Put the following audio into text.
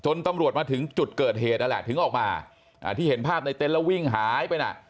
ตำรวจมาถึงจุดเกิดเหตุนั่นแหละถึงออกมาที่เห็นภาพในเต็นต์แล้ววิ่งหายไปน่ะ